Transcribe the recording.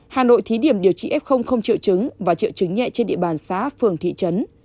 hà nội thí điểm điều trị f triệu chứng và triệu chứng nhẹ trên địa bàn xã phường thị trấn